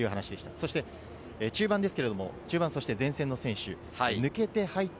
そして中盤ですけれど、中盤そして前線の選手。